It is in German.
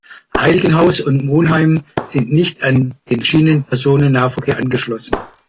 Heiligenhaus und Monheim sind nicht an den Schienen-Personen-Nahverkehr angeschlossen.